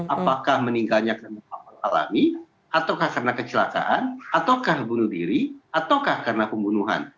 apakah meninggalnya karena mengalami ataukah karena kecelakaan ataukah bunuh diri ataukah karena pembunuhan